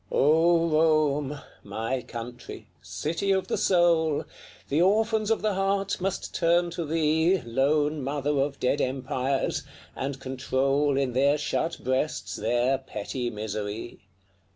O Rome! my country! city of the soul! The orphans of the heart must turn to thee, Lone mother of dead empires! and control In their shut breasts their petty misery.